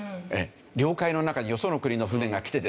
領海の中によその国の船が来てですね